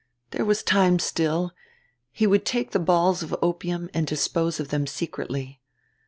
There was time still: he would take the balls of opium and dispose of them secretly.